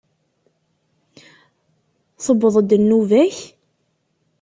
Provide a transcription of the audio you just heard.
Tewweḍ-d nnuba-k?